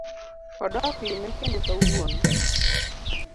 Odok lime kendo kawuono